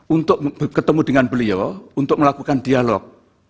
untuk ketemu dengan beliau untuk melakukan dialog